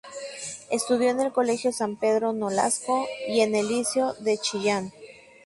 Estudió en el Colegio San Pedro Nolasco y en el Liceo de Chillán.